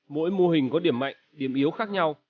mỗi mô hình có điểm mạnh điểm yếu khác nhau